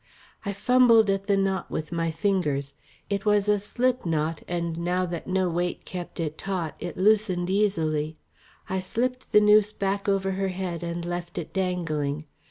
I fumbled at the knot with my fingers. It was a slip knot, and now that no weight kept it taut, it loosened easily. I slipped the noose back over her head and left it dangling.